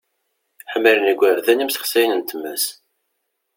Ḥemmlen yigerdan imsexsayen n tmes.